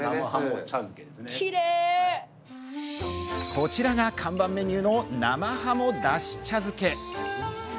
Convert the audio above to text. こちらが看板メニューの生ハモだし茶漬け。